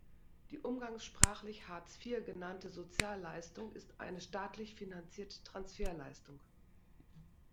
Die umgangssprachlich Hartz vier genannte Sozialleistung ist eine staatlich finanzierte Transferleistung.